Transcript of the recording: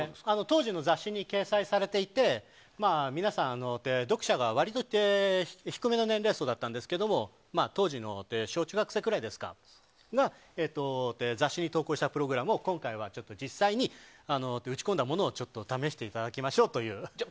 当時の雑誌に掲載されていて皆さん、読者が割と低めの年齢層だったんですが当時の小中学生くらいが雑誌に投稿したプログラムを今回は、実際に打ち込んだものをちょっと試していただきましょうという。